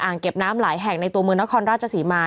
อ่างเก็บน้ำไหลแห่งในตัวเมืองนครราชสีมา